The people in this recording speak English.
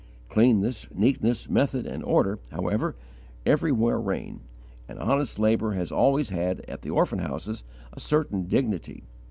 Cleanness, neatness, method, and order, however, everywhere reign, and honest labour has always had, at the orphan houses, a certain dignity.